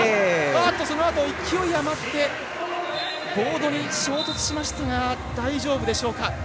そのあと勢い余ってボードに衝突しましたが大丈夫でしょうか。